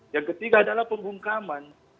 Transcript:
yang ketiga adalah pembungkaman